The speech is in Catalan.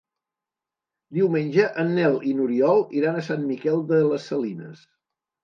Diumenge en Nel i n'Oriol iran a Sant Miquel de les Salines.